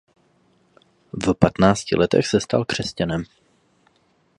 V patnácti letech se stal křesťanem.